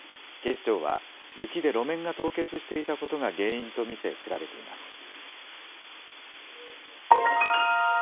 警視庁は雪で路面が凍結していたことが原因と見て調べています。